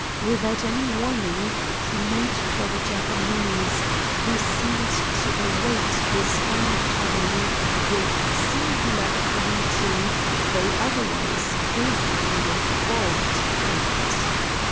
Without any warning, he made for the Japanese, who seemed to await his oncoming with singular equanimity, though otherwise quivering with baulked hate.